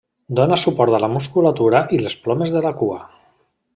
Dóna suport a la musculatura i les plomes de la cua.